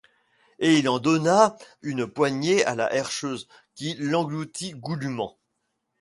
Et il en donna une poignée à la herscheuse, qui l'engloutit goulûment.